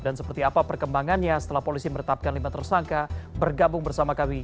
dan seperti apa perkembangannya setelah polisi meretapkan lima tersangka bergabung bersama kami